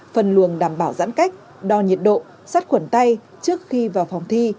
phân luồng đảm bảo giãn cách đo nhiệt độ sắt khuẩn tay trước khi vào phòng thi